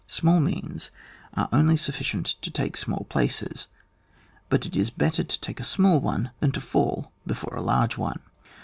Small means are only sufficient to take small places ; but it is better to take a small one than to fidl before a large one.